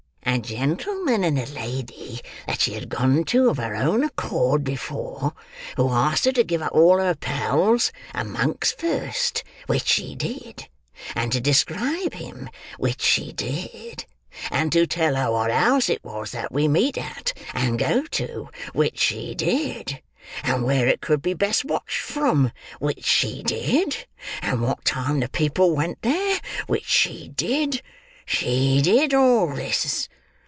"A gentleman and a lady that she had gone to of her own accord before, who asked her to give up all her pals, and Monks first, which she did—and to describe him, which she did—and to tell her what house it was that we meet at, and go to, which she did—and where it could be best watched from, which she did—and what time the people went there, which she did. She did all this.